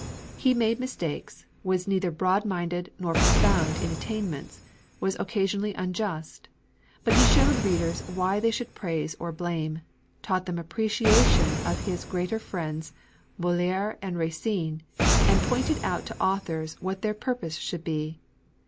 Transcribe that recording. He made mistakes, was neither broad minded nor profound in attainments, was occasionally unjust; but he showed readers why they should praise or blame; taught them appreciation of his greater friends Molière and Racine; and pointed out to authors what their purpose should be.